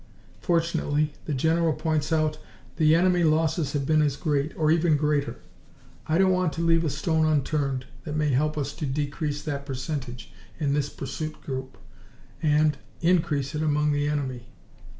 Fortunately, the General points out, the enemy losses have been as great, or even greater. I don't want to leave a stone unturned that may help us to decrease that percentage in this pursuit group and increase it among the enemy!